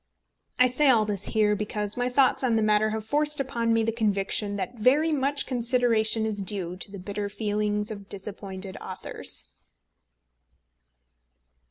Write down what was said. I say all this here because my thoughts on the matter have forced upon me the conviction that very much consideration is due to the bitter feelings of disappointed authors.